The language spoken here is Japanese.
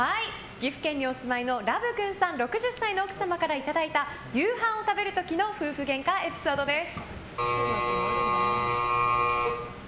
岐阜県にお住まいのラブくんさん６０歳の奥様からいただいた夕飯を食べる時の夫婦ゲンカエピソードです。